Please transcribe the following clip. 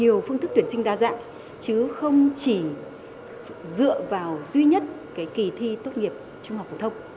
nhiều phương thức tuyển sinh đa dạng chứ không chỉ dựa vào duy nhất kỳ thi tốt nghiệp trung học phổ thông